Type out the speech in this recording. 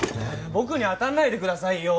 僕に当たんないでくださいよ！